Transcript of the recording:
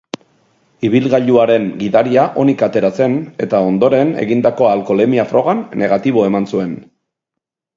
Ibilgailuaren gidaria onik atera zen eta ondoren egindako alkoholemia frogan negatibo eman zuen.